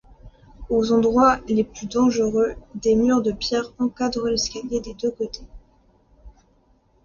Aux endroits les plus dangereux, des murs de pierre encadrent l'escalier des deux côtés.